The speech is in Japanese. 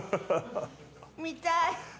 見たい！